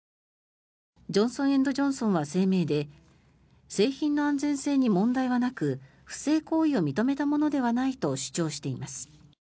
ジョンソン・エンド・ジョンソンは声明で製品の安全性に問題はなく不正行為を認めたものではないと主張しています。